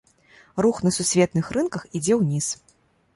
Рух на сусветных рынках ідзе ўніз.